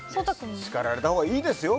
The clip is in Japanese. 叱られたほうがいいですよ。